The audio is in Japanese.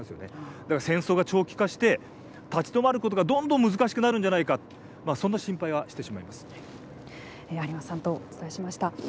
だから戦争が長期化して立ち止まることがどんどん難しくなるんじゃないか有馬さんとお伝えしました。